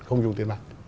không dùng tiền mặt